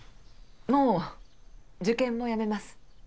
もう受験もやめます